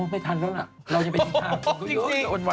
ไม่ทันแล้วเราอยากไปนินทาว่า